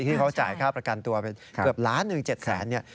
ที่เขาจ่ายค่าประกันตัวไปเกือบล้านหนึ่ง๗แสนเนี่ย